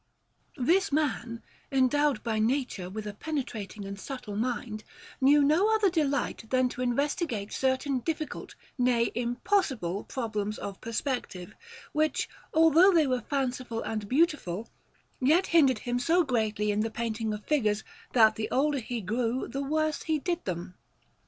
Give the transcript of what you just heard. This man, endowed by nature with a penetrating and subtle mind, knew no other delight than to investigate certain difficult, nay, impossible problems of perspective, which, although they were fanciful and beautiful, yet hindered him so greatly in the painting of figures, that the older he grew the worse he did them.